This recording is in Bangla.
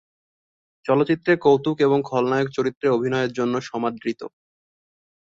চলচ্চিত্রে কৌতুক এবং খলনায়ক চরিত্রে অভিনয়ের জন্য সমাদৃত।